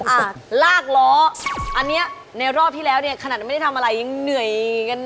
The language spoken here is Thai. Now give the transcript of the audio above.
อ่าลากล้ออันเนี้ยในรอบที่แล้วเนี่ยขนาดไม่ได้ทำอะไรยังเหนื่อยกัน